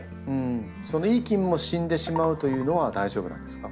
そのいい菌も死んでしまうというのは大丈夫なんですか？